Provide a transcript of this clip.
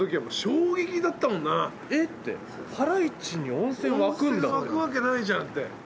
温泉湧くわけないじゃんって。